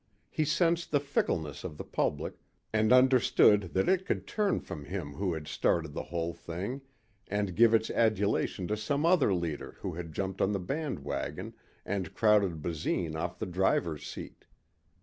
He sensed the fickleness of the public and understood that it could turn from him who had started the whole thing and give its adulation to some other leader who had jumped on the band wagon and crowded Basine off the driver's seat.